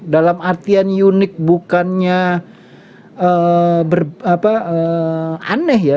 dalam artian unik bukannya aneh ya